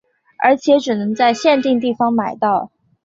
而且只能在限定地方买到。